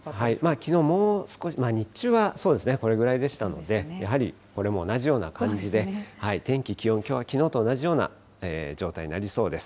きのう、もう少し、日中は、そうですね、これぐらいでしたので、やはりこれも同じような感じで、天気、気温、きょうはきのうと同じような状態になりそうです。